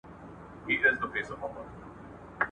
عدالت له بې عدالتۍ څخه ډېر غوره دی.